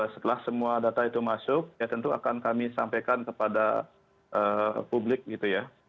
setelah semua data itu masuk ya tentu akan kami sampaikan kepada publik gitu ya